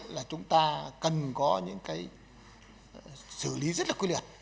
là chúng ta cần có những cái xử lý rất là quy liệt